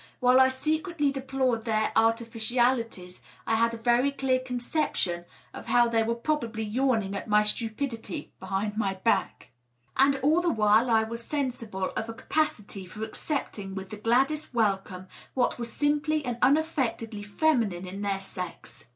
While I secretly deplored their artificialities, I had a very clear conception of how they were probably yawning at my stupidity behind my back. And all the while I was sensible of a ca pacity for accepting with the gladdest welcome what was simply and unaffectedly feminine in their sex.